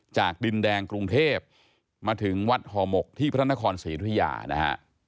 จากดินแดงกรุงเทพมาถึงวัดห่อหมกที่พระนครศรีธุยานะฮะ